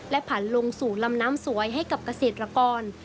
ผ่านลงสู่ลำน้ำสวยให้กับเกษตรกร